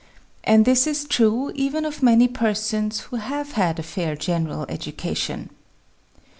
And this is true, even of many persons who have had a fair gen eral education.